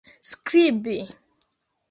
skribi